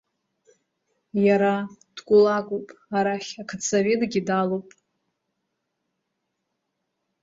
Иара дкулакуп, арахь ақыҭсоветгьы далоуп.